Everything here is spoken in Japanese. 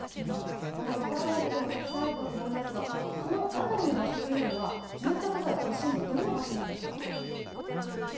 まだ分からないこともたくさんあるかと思いますが、その辺りの場所は住宅街、都市部、どんな場所なんでしょうか。